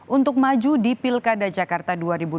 untuk maju di pilkada jakarta dua ribu dua puluh